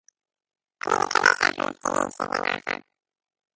אני מקווה שאנחנו מסכימים שזה נעשה